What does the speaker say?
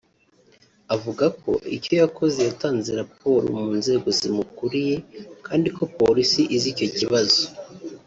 Avuga ko icyo yakoze yatanze raporo mu nzego zimukuriye kandi ko Polisi izi icyo kibazo